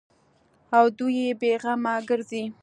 او دوى بې غمه گرځي.